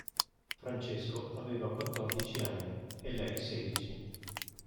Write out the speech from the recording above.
Francesco aveva quattordici anni e lei sedici.